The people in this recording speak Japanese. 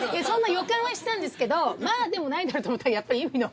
そんな予感はしてたんですけどまぁでもないだろうと思ったらやっぱり。